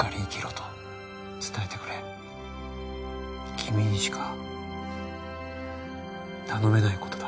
君にしか頼めない事だ。